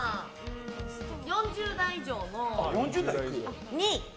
４０代以上の２位。